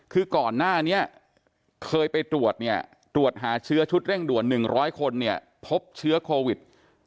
คือก่อนหน้านี้เคยไปตรวจเนี่ยตรวจหาเชื้อชุดเร่งด่วน๑๐๐คนเนี่ยพบเชื้อโควิด